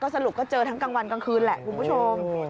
สรุปก็เจอทั้งกลางวันกลางคืนแหละคุณผู้ชม